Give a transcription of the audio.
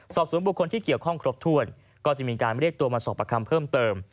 สอบสวนบุคคลที่เกี่ยวข้องครบถ้วนก็จะมีการเรียกตัวมาสอบประคำเพิ่มเติม